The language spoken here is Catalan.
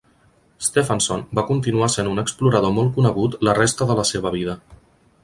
Stefansson va continuar sent un explorador molt conegut la resta de la seva vida.